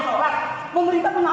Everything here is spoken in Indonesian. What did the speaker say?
saya pakai kemasan saya mau seolah olah